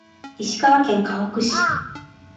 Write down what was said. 石川県かほく市